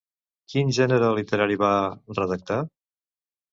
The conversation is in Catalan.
Quin gènere literari va redactar?